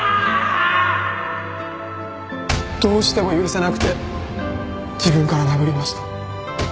どうしても許せなくて自分から殴りました。